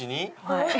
はい。